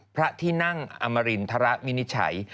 พระที่นั่งอมรินทรวินิจฉัย